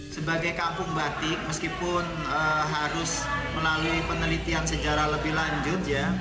sebagai kampung batik meskipun harus melalui penelitian sejarah lebih lanjut ya